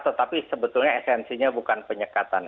tetapi sebetulnya esensinya bukan penyekatan